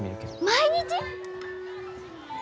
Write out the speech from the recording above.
毎日！？